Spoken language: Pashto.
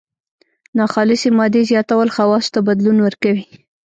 ناخالصې مادې زیاتول خواصو ته بدلون ورکوي.